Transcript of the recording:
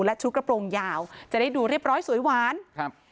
และชุดกระโปรงยาวจะได้ดูเรียบร้อยสวยหวานครับ